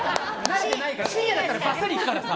深夜だったらバッサリ行くからさ。